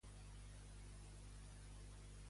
Japó és l'exemple de societat que cal defugir.